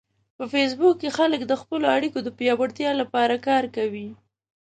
په فېسبوک کې خلک د خپلو اړیکو د پیاوړتیا لپاره کار کوي